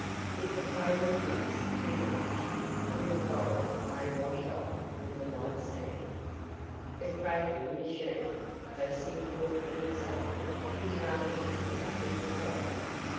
If a cradle dips too much, a little gold may wash off with the light sand. The cradling machine, though simple in itself, is rather difficult to describe.